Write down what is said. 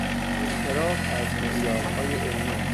انحراف از معیارهای علمی